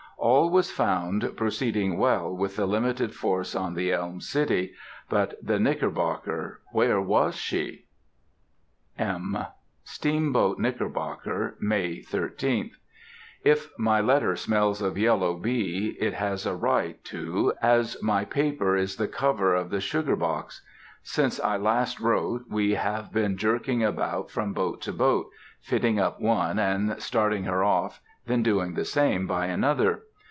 All was found proceeding well with the limited force on the Elm City; but the Knickerbocker, where was she? (M.) Steamboat Knickerbocker, May 13th.—If my letter smells of Yellow B, it has a right to, as my paper is the cover of the sugar box. Since I last wrote, we have been jerking about from boat to boat, fitting up one, and starting her off, then doing the same by another.